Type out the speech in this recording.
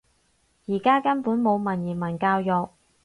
而家根本冇文言文教育